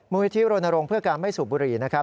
วิธีโรนโรงเพื่อการไม่สูบบุหรี่นะครับ